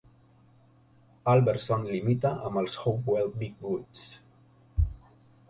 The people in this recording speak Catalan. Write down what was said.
Elverson limita amb els Hopewell Big Woods.